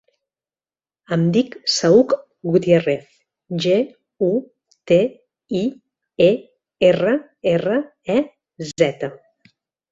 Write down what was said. Em dic Saüc Gutierrez: ge, u, te, i, e, erra, erra, e, zeta.